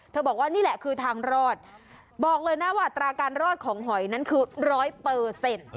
บอกว่านี่แหละคือทางรอดบอกเลยนะว่าอัตราการรอดของหอยนั้นคือร้อยเปอร์เซ็นต์